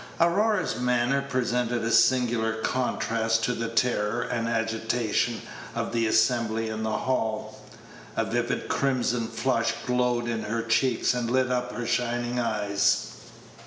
Aurora's manner presented a singular contrast to the terror and agitation of the assembly in the hall. A vivid crimson flush glowed in her cheeks and lit up her shining eyes.